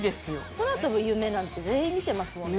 空飛ぶ夢なんて全員みてますもんね。